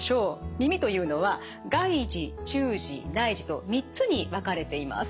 耳というのは外耳中耳内耳と３つに分かれています。